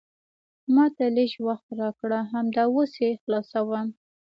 ما ته لیژ وخت راکړه، همدا اوس یې خلاصوم.